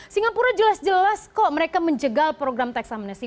singapura jelas jelas kok mereka menjegal program tax amnesty